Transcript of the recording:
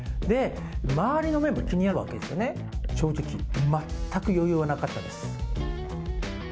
で、周りの目も気になるわけですよね、正直、全く余裕はなかったです。